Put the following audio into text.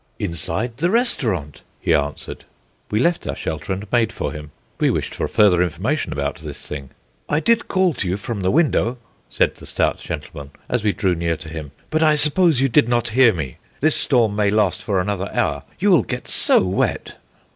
"Inside the restaurant," he answered. We left our shelter and made for him. We wished for further information about this thing. "I did call to you from the window," said the stout gentleman, as we drew near to him, "but I suppose you did not hear me. This storm may last for another hour; you will get so wet."